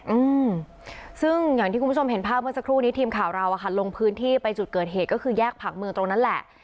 อืมซึ่งอย่างที่คุณผู้ชมเห็นภาพเมื่อสักครู่นี้ทีมข่าวเราอ่ะค่ะลงพื้นที่ไปจุดเกิดเหตุก็คือแยกผักเมืองตรงนั้นแหละ